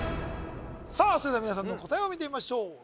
さあそれでは皆さんの答えを見てみましょう